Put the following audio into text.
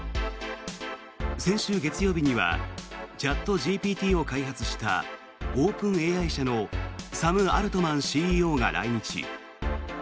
先週月曜日にはチャットＧＰＴを開発したオープンＡＩ社のサム・アルトマンＣＥＯが来日。